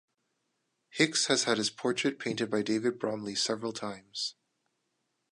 Hicks has had his portrait painted by David Bromley several times.